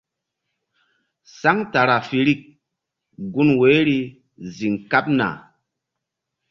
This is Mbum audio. Centrafirikgun woyri ziŋ kaɓna.